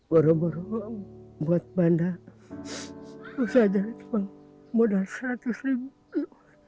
baru baru buat banda usaha aja dibangun modal seratus ribu